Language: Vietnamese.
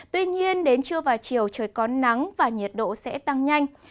tuy nhiên đến trưa và chiều trời có nắng và nhiệt độ sẽ tăng nhanh